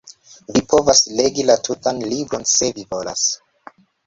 Vi povas legi la tutan libron se vi volas.